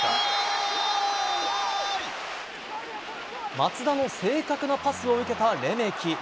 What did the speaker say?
松田の正確なパスを受けたレメキ。